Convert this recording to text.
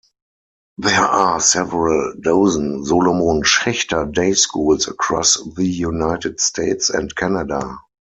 There are several dozen Solomon Schechter Day Schools across the United States and Canada.